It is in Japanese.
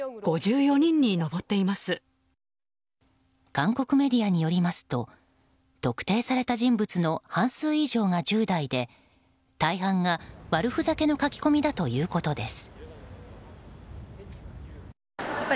韓国メディアによりますと特定された人物の半数以上が１０代で大半が悪ふざけの書き込みだということです。